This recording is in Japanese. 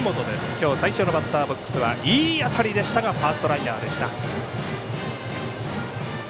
今日最初のバッターボックスはいい当たりでしたがファーストライナーでした。